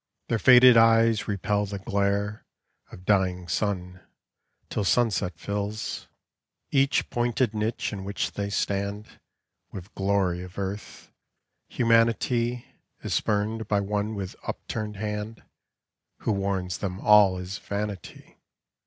Their faded eyes repel the glare Of dying sun, till sunset fills 14 English Go! /uc. h pointed niche in which they stand With glory of earth ; humanity Is spurned by one with upturned hand, Who warns them all is vanity.